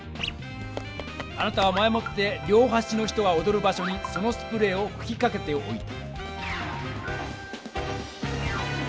あなたは前もって両はしの人がおどる場所にそのスプレーをふきかけておいた。